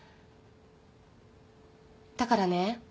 だからね